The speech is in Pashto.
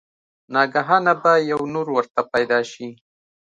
ناګهانه به يو نُور ورته پېدا شي